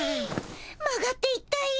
曲がっていったよ。